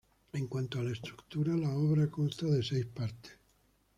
En cuanto a su estructura, la obra consta de seis partes.